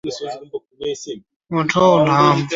Misri walikwishagundua kwa njia ya kupima dunia kuwa ina umbo